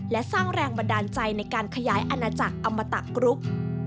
และสร้างแรงบันดาลใจในการขยายอาณาจักรอมตะกรุ๊ป